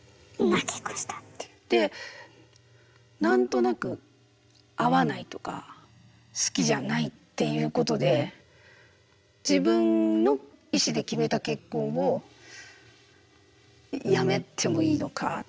で何となく合わないとか好きじゃないっていうことで自分の意思で決めた結婚をやめてもいいのか。